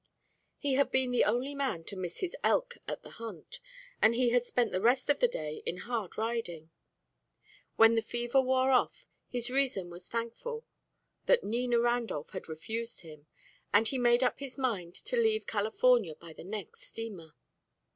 He had been the only man to miss his elk at the hunt, and he had spent the rest of the day in hard riding. When the fever wore off, his reason was thankful that Nina Randolph had refused him, and he made up his mind to leave California by the next steamer.